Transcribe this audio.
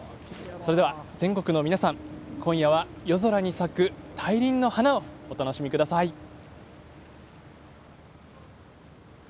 それでは、全国の皆さん今夜は夜空に咲く大輪の花をお楽しみください。